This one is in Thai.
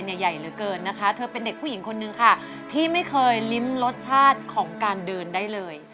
ถ้าคุณผู้ชมเอาแหม้มเราไปด้วย